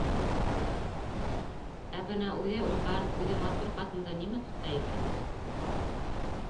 Ә бына үҙе уңған, үҙе матур ҡатынды нимә тота икән?